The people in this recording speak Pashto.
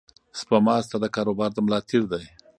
سپما ستا د کاروبار د ملا تیر دی.